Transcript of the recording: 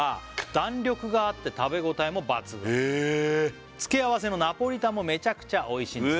「弾力があって食べ応えも抜群」「付け合わせのナポリタンもめちゃくちゃ美味しいんです」